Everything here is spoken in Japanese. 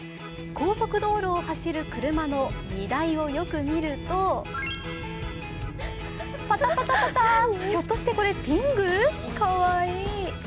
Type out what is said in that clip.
高速道路を走る車の荷台をよく見ると、パタパタパタ、ひょっとしてこれピングー？かわいい。